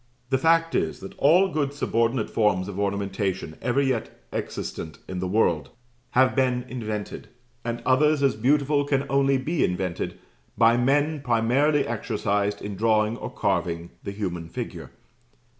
The fact is, that all good subordinate forms of ornamentation ever yet existent in the world have been invented, and others as beautiful can only be invented, by men primarily exercised in drawing or carving the human figure.